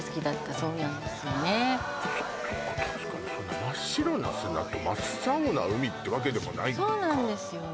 そっか確かに真っ白な砂と真っ青な海ってわけでもないかそうなんですよね